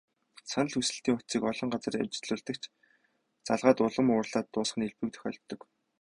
Санал хүсэлтийн утсыг олон газар ажиллуулдаг ч, залгаад улам уурлаад дуусах нь элбэг тохиолддог.